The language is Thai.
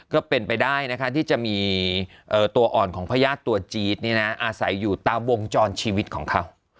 ก็เป็นไปได้นะคะที่จะมีตัวอ่อนของพญาติตัวจี๊ดอาศัยอยู่ตามวงจรชีวิตของเขา